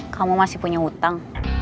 kamu masih punya hutang